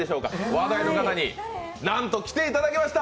話題の方になんと来ていただきました。